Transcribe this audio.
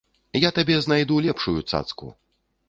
Я табе знайду лепшую цацку.